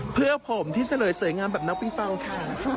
เพื่อผมที่เฉลยสวยงามแบบน้องปิงปองค่ะ